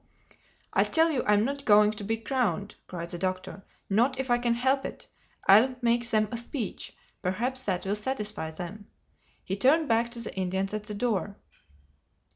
"I tell you I'm not going to be crowned," cried the Doctor—"not if I can help it. I'll make them a speech. Perhaps that will satisfy them." He turned back to the Indians at the door.